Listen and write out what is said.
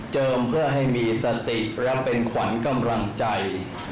เพื่อให้มีสติและเป็นขวัญกำลังใจ